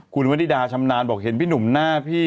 คุณวนิดาชำนาญบอกเห็นพี่หนุ่มหน้าพี่